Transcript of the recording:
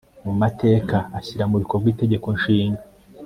mumateka ashyira mu bikorwa itegeko nshinga